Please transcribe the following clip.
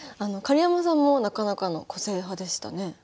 狩山さんもなかなかの個性派でしたね。